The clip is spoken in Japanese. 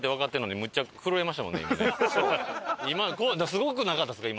すごくなかったですか？